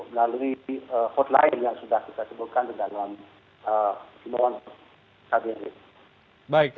melalui hotline yang sudah kita sebutkan di dalam kbri